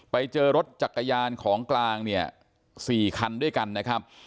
ไปเจอรถจักรยานของกลางเนี่ย๔คันด้วยกันนะครับ